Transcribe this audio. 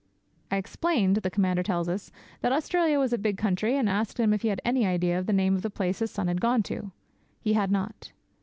'I explained,' the Commander tells us, 'that Australia was a big country, and asked him if he had any idea of the name of the place his son had gone to. He had not.'